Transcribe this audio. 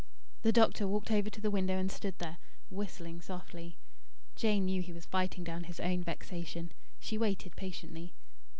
'" The doctor walked over to the window and stood there, whistling softly. Jane knew he was fighting down his own vexation. She waited patiently.